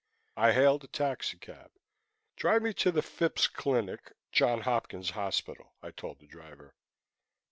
I hailed a taxicab. "Drive me to the Phipps Clinic, Johns Hopkins Hospital," I told the driver.